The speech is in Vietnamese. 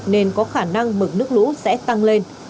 nên có khả năng mực nước lũ sẽ tăng lên